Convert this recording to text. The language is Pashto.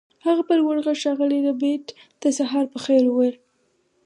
هغه په لوړ غږ ښاغلي ربیټ ته سهار په خیر وویل